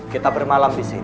kita bermalam di sini